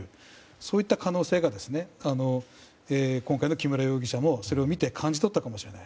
そういった可能性が今回の木村容疑者もそれを見て感じとったかもしれない。